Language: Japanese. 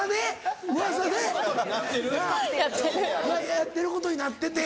「やってることになってて」